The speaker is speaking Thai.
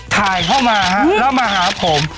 ถ่ายเข้ามาแล้วมาหาผม